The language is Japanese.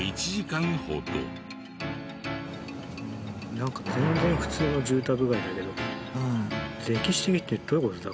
なんか全然普通の住宅街だけど歴史的ってどういう事だ？